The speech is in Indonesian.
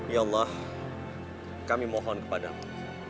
ya allah kami mohon kepadamu